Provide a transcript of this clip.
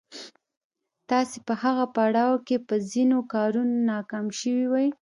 تاسې په هغه پړاو کې په ځينو کارونو ناکام شوي وئ.